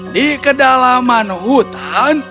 di kedalaman hutan